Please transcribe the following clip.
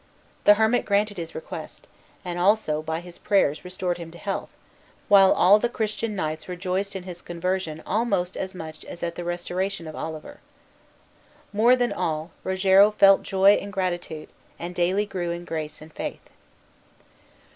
The hermit granted his request, and also by his prayers restored him to health, while all the Christian knights rejoiced in his conversion almost as much as at the restoration of Oliver. More than all Rogero felt joy and gratitude, and daily grew in grace and faith.